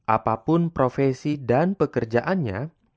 apapun profesi dan pekerjaannya